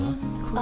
あ！